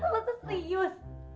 lo tuh serius